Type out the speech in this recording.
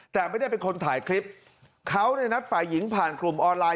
แต่ไม่ได้เป็นคนถ่ายคลิปเขาเนี่ยนัดฝ่ายหญิงผ่านกลุ่มออนไลน